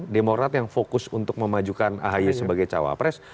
demokrat yang fokus untuk memajukan ahy sebagai cawapres